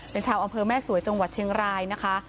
เป็นชาวอำเภอแม่สวยจังหวัดเชียงรายนะคะ